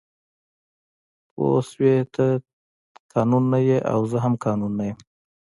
پوه شوې ته قانون نه یې او زه هم قانون نه یم